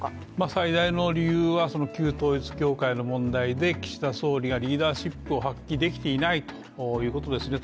最大の理由は旧統一教会の問題で岸田総理がリーダーシップを発揮できていないということですね。